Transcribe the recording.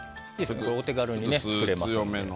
お手軽に作れます。